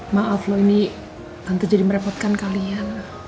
maaf loh ini tante jadi merepotkan kalian